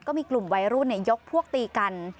ก็มีกลุ่มวัยรุ่นยกพวกตีกัน